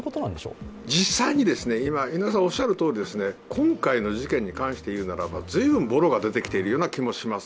実際には今、井上さんおっしゃるように今回の事件に関しては言うならば、随分ボロが出てきているような気がします。